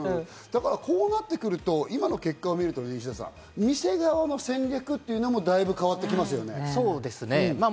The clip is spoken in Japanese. こうなってくると今の結果見ると店側の戦略っていうのもだいぶ変わってきますね。